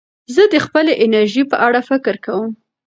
زه د خپلې انرژۍ په اړه فکر کوم.